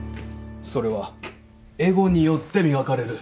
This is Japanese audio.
それはエゴによって磨かれる。